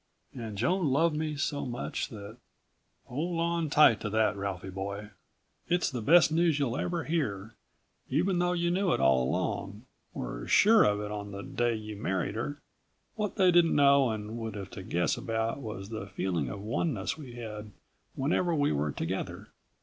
And Joan loved me so much that.... Hold on tight to that, Ralphie boy. It's the best news you'll ever hear, even though you knew it all along, were sure of it on the day you married her. What they didn't know and would have to guess about was the feeling of oneness we had whenever we were together.